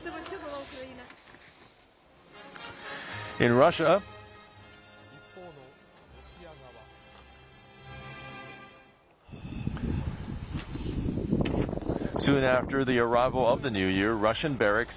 一方のロシア側。